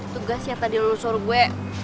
tugas yang tadi lo suruh gue